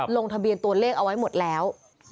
ลงทะเบียนตัวเลขเอาไว้หมดแล้ว